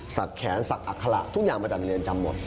ศักดิ์แขนศักดิ์อัคระทุกอย่างมาจากในเรียนจำหมด